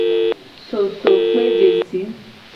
Sosokpejesi.